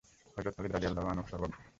হযরত Khalid রাযিয়াল্লাহু আনহু ছিলেন সর্বাগ্রে।